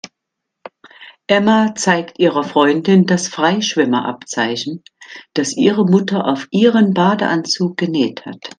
Emma zeigt ihrer Freundin das Freischwimmer-Abzeichen, das ihre Mutter auf ihren Badeanzug genäht hat.